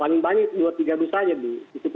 paling banyak dua tiga bus saja bu